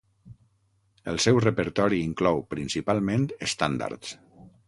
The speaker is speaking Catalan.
El seu repertori inclou principalment estàndards.